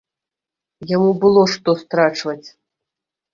Яму было, што страчваць.